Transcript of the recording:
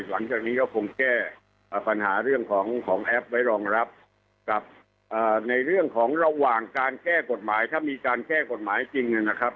หลังจากนี้ก็คงแก้ปัญหาเรื่องของแอปไว้รองรับกับในเรื่องของระหว่างการแก้กฎหมายถ้ามีการแก้กฎหมายจริงนะครับ